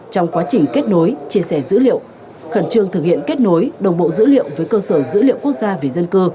trong quá trình kết nối chia sẻ dữ liệu khẩn trương thực hiện kết nối đồng bộ dữ liệu với cơ sở dữ liệu quốc gia về dân cư